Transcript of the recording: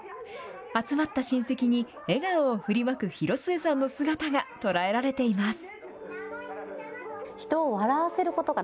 集まった親戚に笑顔をふりまく広末さんの姿が捉えられています。